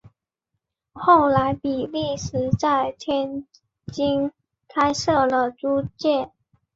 后来比利时在天津开设了租界。